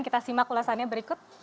kita simak ulasannya berikut